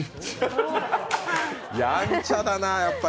やんちゃだな、やっぱり。